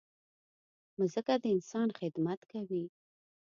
مځکه د انسان خدمت کوي.